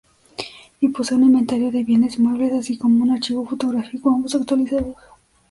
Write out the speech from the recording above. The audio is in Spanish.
Y posee un inventario de bienes muebles, así como un archivo fotográfico, ambos actualizados.